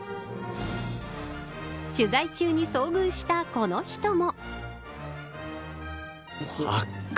取材中に遭遇したこの人も。